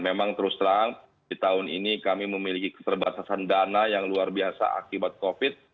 memang terus terang di tahun ini kami memiliki keterbatasan dana yang luar biasa akibat covid